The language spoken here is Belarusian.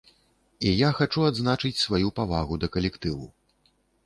І я хачу адзначыць сваю павагу да калектыву.